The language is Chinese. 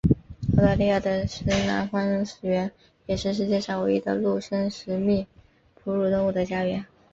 澳大利亚的石楠荒原也是世界上唯一的陆生食蜜哺乳动物的家园。